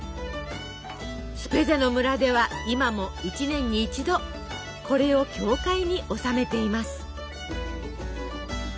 スペゼの村では今も一年に一度これを教会に納めています。